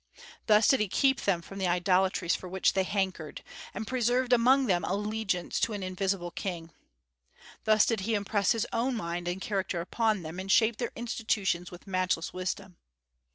Thus did he keep them from the idolatries for which they hankered, and preserved among them allegiance to an invisible King. Thus did he impress his own mind and character upon them, and shape their institutions with matchless wisdom.